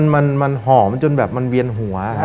มันหอมจนแบบมันเวียนหัวครับ